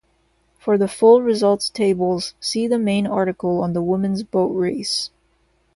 For the full results tables, see the main article on the Women's Boat Race.